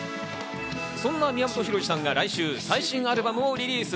そんな宮本浩次さんが来週、最新アルバムをリリース。